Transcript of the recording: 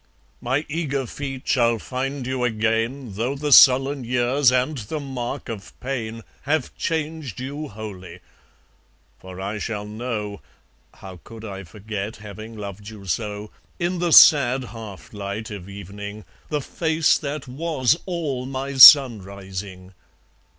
My eager feet shall find you again, Though the sullen years and the mark of pain Have changed you wholly; for I shall know (How could I forget having loved you so?), In the sad half light of evening, The face that was all my sunrising.